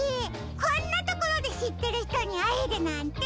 こんなところでしってるひとにあえるなんて！